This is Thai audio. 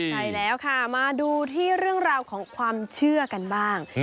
ใช่แล้วค่ะมาดูที่เรื่องราวของความเชื่อกันบ้าง